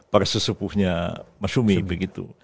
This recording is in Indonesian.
para sesepuhnya masyarik begitu